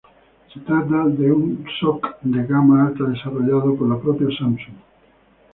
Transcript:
Se trata de un SoC de gama alta desarrollado por la propia Samsung.